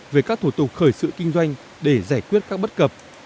về các thủ tục khởi sự kinh doanh để giải quyết các bất cập